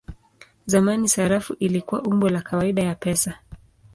Zamani sarafu ilikuwa umbo la kawaida ya pesa.